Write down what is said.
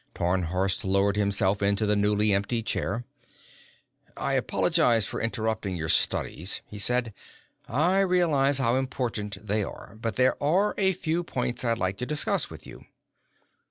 Tarnhorst lowered himself into the newly emptied chair. "I apologize for interrupting your studies," he said. "I realize how important they are. But there are a few points I'd like to discuss with you."